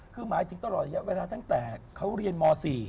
คือหมายถึงตลอดระยะเวลาตั้งแต่เขาเรียนม๔